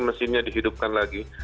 mesinnya dihidupkan lagi